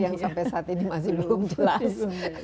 yang sampai saat ini masih belum jelas